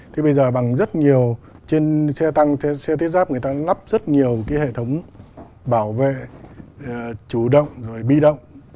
thế bây giờ bằng rất nhiều trên xe tăng xe thiết giáp người ta lắp rất nhiều cái hệ thống bảo vệ chủ động rồi bi động